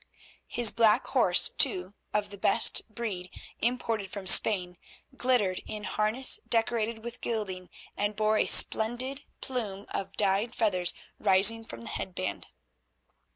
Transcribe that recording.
His black horse, too, of the best breed, imported from Spain, glittered in harness decorated with gilding, and bore a splendid plume of dyed feathers rising from the head band.